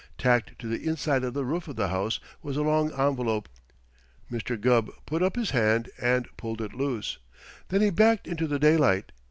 Tacked to the inside of the roof of the house was a long envelope. Mr. Gubb put up his hand and pulled it loose. Then he backed into the daylight.